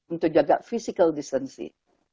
untuk jaga physical distance